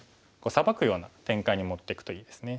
サバくような展開に持っていくといいですね。